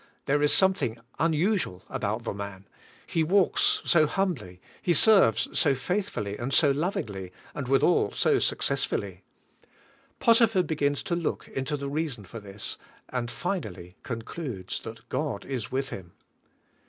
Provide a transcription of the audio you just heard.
There is something unusual about the man. He walks so humbly, he serves so faith fully and so lovingly, and withal so successfully. Potiphar begins to look into the reason for this, andrinally concludes that God is with him.